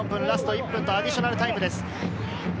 ラスト１分とアディショナルタイムです。